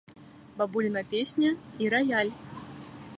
Бабуліна песня і раяль.